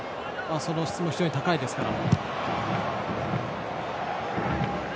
質も非常に高いですから。